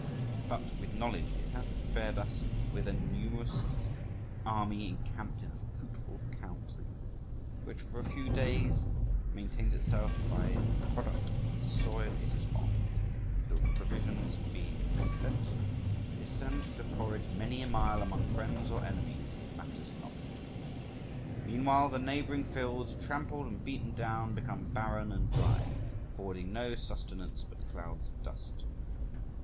But with knowledge it has fared as with a numerous army encamped in a fruitful country, which for a few days maintains itself by the product of the soil it is on, till provisions being spent, they send to forage many a mile among friends or enemies, it matters not. Meanwhile the neighbouring fields, trampled and beaten down, become barren and dry, affording no sustenance but clouds of dust.